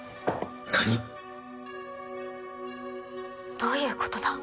どういうことだ？